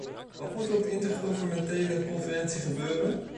Wat moet er op de intergouvernementele conferentie gebeuren?